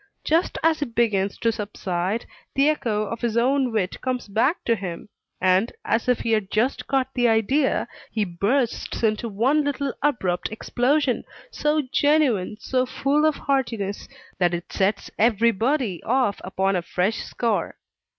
Just as it begins to subside, the echo of his own wit comes back to him, and, as if he had just caught the idea, he bursts into one little abrupt explosion, so genuine, so full of heartiness, that it sets every body off upon a fresh score.